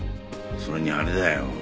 それにあれだよ